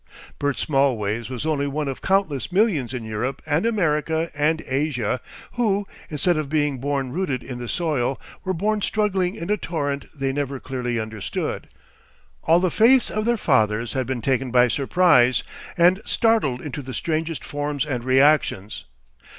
Bert Smallways was only one of countless millions in Europe and America and Asia who, instead of being born rooted in the soil, were born struggling in a torrent they never clearly understood. All the faiths of their fathers had been taken by surprise, and startled into the strangest forms and reactions.